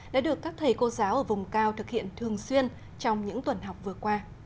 đã được các thầy cô giáo ở vùng cao thực hiện thường xuyên trong những tuần học vừa qua